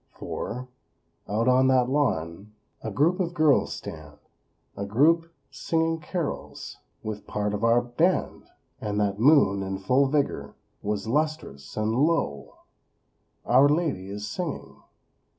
For, out on that lawn A group of girls stand; A group singing carols With part of our Band. And that moon, in full vigor, Was lustrous; and lo! _Our Lady is singing!